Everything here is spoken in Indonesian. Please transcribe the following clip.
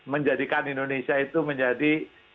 menjadikan indonesia itu menjadi